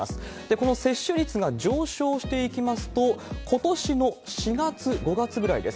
この接種率が上昇していきますと、ことしの４月、５月ぐらいです。